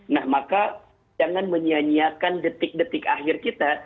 nah maka jangan menyanyiakan detik detik akhir kita